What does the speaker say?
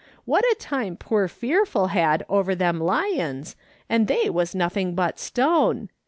What a time poor Fearful had over them lions, and they was nothing but stone